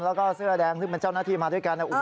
แล้วก็เสื้อแดงซึ่งเป็นเจ้าหน้าที่มาด้วยกัน